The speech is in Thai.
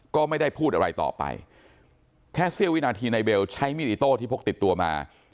ก็ไม่ได้พูดอะไรต่อไปแค่เสี้ยววินาทีนายเบลใช้มีดอิโต้ที่พกติดตัวมา